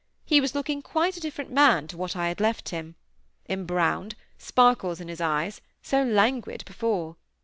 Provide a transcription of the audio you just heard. He was looking quite a different man to what I had left him; embrowned, sparkles in his eyes, so languid before.